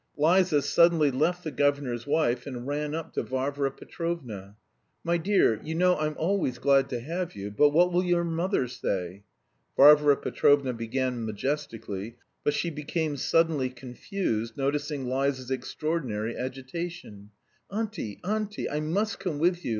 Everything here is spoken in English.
Liza suddenly left the governor's wife and ran up to Varvara Petrovna. "My dear, you know I'm always glad to have you, but what will your mother say?" Varvara Petrovna began majestically, but she became suddenly confused, noticing Liza's extraordinary agitation. "Auntie, auntie, I must come with you!"